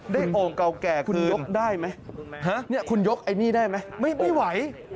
โอ่งเก่าแก่คุณยกได้ไหมคุณยกไอ้นี่ได้ไหมไม่ไหว